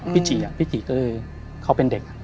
จีพี่จีก็เลยเขาเป็นเด็ก